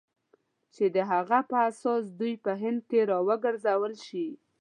چې د هغه په اساس دوی په هند کې را وګرځول شي.